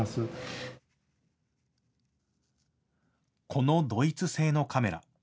このドイツ製のカメラ。